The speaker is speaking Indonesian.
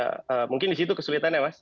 ya mungkin disitu kesulitan ya pak